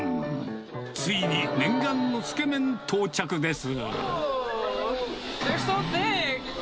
ついに念願のつけ麺到着です。